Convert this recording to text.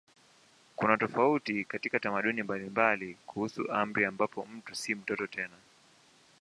Kuna tofauti katika tamaduni mbalimbali kuhusu umri ambapo mtu si mtoto tena.